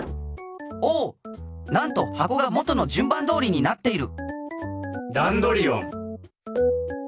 おなんとはこが元の順番どおりになっている！